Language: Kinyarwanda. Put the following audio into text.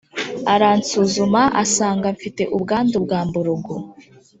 aransuzuma asanga mfite ubwandu bwa mburugu